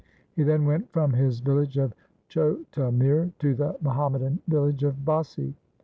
He then went from his village of Chhota mir to the Muhammadan village of Bassi.